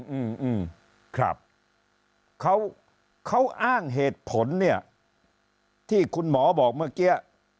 อืมครับเขาเขาอ้างเหตุผลเนี่ยที่คุณหมอบอกเมื่อกี้